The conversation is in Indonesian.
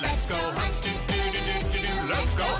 let's go hunting dudududu let's go hunting dudududu